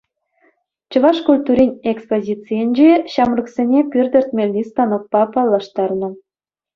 Чӑваш культурин экспозицийӗнче ҫамрӑксене пир тӗртмелли станокпа паллаштарнӑ.